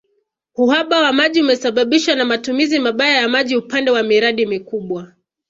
Uhaba wa maji umesababishwa na matumizi mabaya ya maji upande wa miradi mikubwa